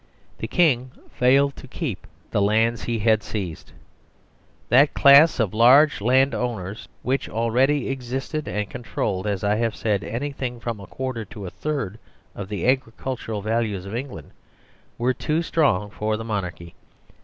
The King failed to keep the lands he had seized. That class of large land owners which already existed and controlled, as I have said, anything from a quarter to a third of the agricultural values of England, were too strong for the monarchy.